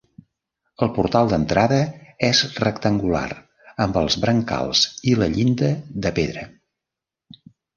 El portal d'entrada és rectangular amb els brancals i la llinda de pedra.